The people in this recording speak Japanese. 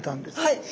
はい。